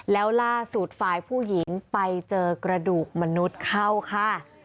แล้วล่าสุดฝ่ายผู้หญิงไปเจอกระดูกมนุษย์เข้าค่ะ